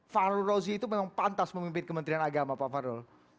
fahru rozi itu memang pantas memimpin kementerian agama pak fahrul